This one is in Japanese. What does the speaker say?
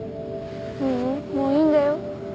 ううんもういいんだよ